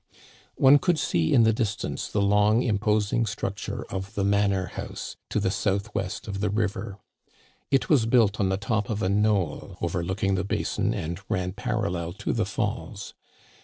One could see in the distance the long, imposing structure of the manor house, to the southwest of the river. It was built on the top of a knoll overlooking the basin and ran parallel to the fails.